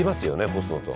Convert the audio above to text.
干すのと。